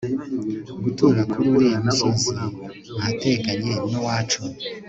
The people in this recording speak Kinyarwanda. gutura kuri uriya musozi ahateganye n'uwacu